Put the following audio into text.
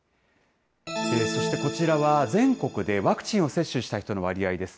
そしてこちらは全国でワクチンを接種した人の割合です。